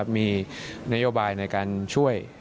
มีนโยบายในการช่วย